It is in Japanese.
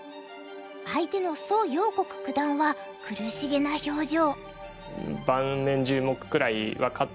相手の蘇耀国九段は苦しげな表情。